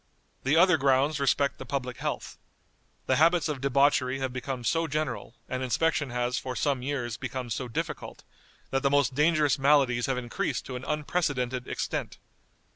The other grounds respect the public health. The habits of debauchery have become so general, and inspection has, for some years, become so difficult, that the most dangerous maladies have increased to an unprecedented extent.